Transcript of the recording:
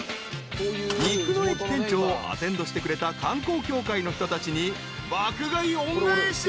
［肉の駅店長をアテンドしてくれた観光協会の人たちに爆買い恩返し］